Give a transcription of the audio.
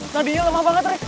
tadi dia lemah banget riz